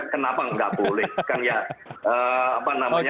kenapa nggak boleh kan ya apa namanya